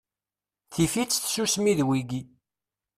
Tifi-tt tsusmi d wigi.